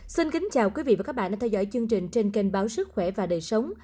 xin kính chào quý vị và các bạn đang theo dõi chương trình trên kênh báo sức khỏe và đời sống